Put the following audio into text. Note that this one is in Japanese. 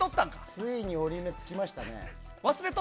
ついに折り目がつきましたね。